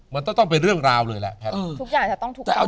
มันก็ต้องเป็นเรื่องราวเลยแหละแพทย์ทุกอย่างจะต้องถูกใจ